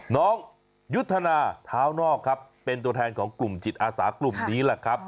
น้องยุทธนาเท้านอกครับเป็นตัวแทนของกลุ่มจิตอาสากลุ่มนี้แหละครับ